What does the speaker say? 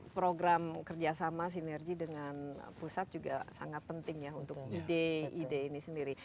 program kerjasama sinergi dengan pusat juga sangat penting ya untuk ide ide ini sendiri